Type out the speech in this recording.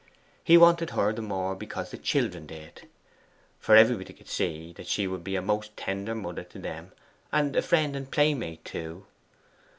He wanted her the more because the children did, for everybody could see that she would be a most tender mother to them, and friend and playmate too.